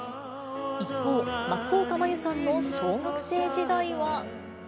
一方、松岡茉優さんの小学生時代は。